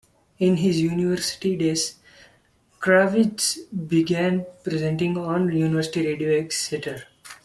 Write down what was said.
In his university days, Kravitz began presenting on University Radio Exeter.